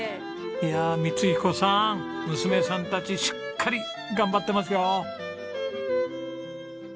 いや光彦さん娘さんたちしっかり頑張ってますよ。